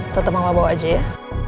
tetep sama lo bawa aja ya